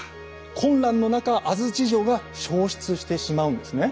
混乱の中安土城が消失してしまうんですね。